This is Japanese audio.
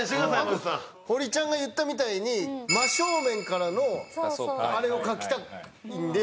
堀ちゃんが言ったみたいに真正面からのあれを描きたいんでやっぱり。